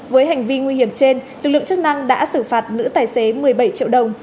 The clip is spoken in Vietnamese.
với hành vi nguy hiểm trên lực lượng chức năng đã xử phạt nữ tài xế một mươi bảy triệu đồng